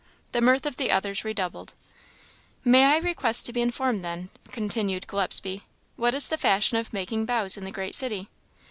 The mirth of the others redoubled. "May I request to be informed then," continued Gillespie, "what is the fashion of making bows in the great city?"